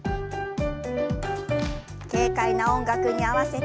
軽快な音楽に合わせて。